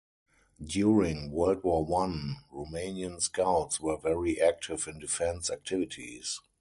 During World War One, Romanian Scouts were very active in defense activities.